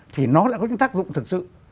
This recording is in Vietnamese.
thì nó lại có những tác dụng thực sự